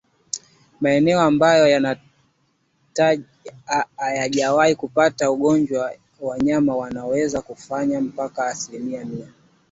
Maeneo ambayo ayajawahi kupata ugonjwa wanyama wanaweza kufa mpaka asilimia mia